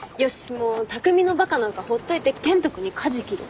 もう匠のバカなんかほっといて健人君に舵切ろう。